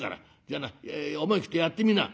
じゃあな思い切ってやってみな」。